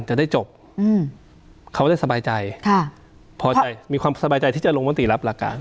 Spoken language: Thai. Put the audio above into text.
จะได้จบเขาได้สบายใจพอใจมีความสบายใจที่จะลงมติรับหลักการ